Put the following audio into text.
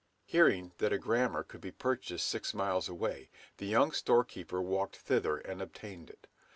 Hearing that a grammar could be purchased six miles away, the young store keeper walked thither and obtained it.